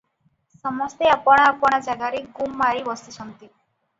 ସମସ୍ତେ ଆପଣା ଆପଣା ଜାଗାରେ ଗୁମ୍ ମାରି ବସିଛନ୍ତି ।